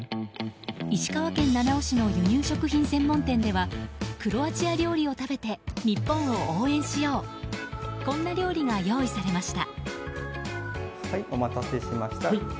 石川県七尾市の輸入食品専門店ではクロアチア料理を食べて日本を応援しようこんな料理が用意されました。